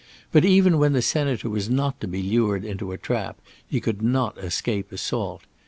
But even when the senator was not to be lured into a trap, he could not escape assault.